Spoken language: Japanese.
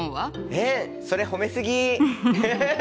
えっそれ褒め過ぎ！